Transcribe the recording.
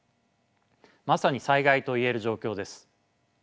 まさに災害と言える状況です。